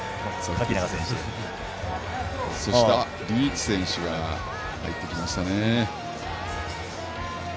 リーチ選手が入ってきました。